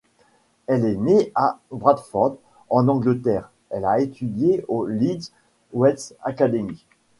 Elle est née à Bradford, en Angleterre, elle a étudié au Leeds West Academy.